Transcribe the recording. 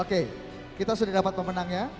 oke kita sudah dapat pemenangnya